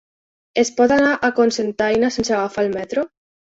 Es pot anar a Cocentaina sense agafar el metro?